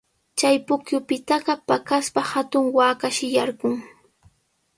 Chay pukyupitaqa paqaspa hatun waakashi yarqun.